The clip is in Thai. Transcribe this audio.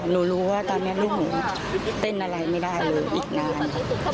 หนูรู้ว่าตอนนี้ลูกหนูเต้นอะไรไม่ได้เลยอีกนาน